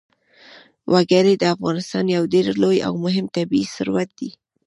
وګړي د افغانستان یو ډېر لوی او مهم طبعي ثروت دی.